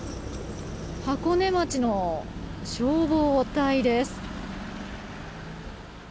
箱根町の消防隊です。